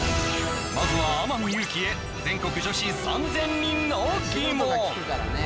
まずは天海祐希へ全国女子３０００人のギモン